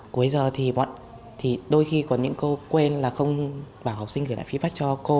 cuối giờ thì đôi khi có những câu quên là không bảo học sinh gửi lại feedback cho cô